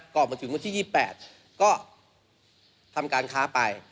ก่อนมาถึงวันที่๒๘ก็ทำการค้าไป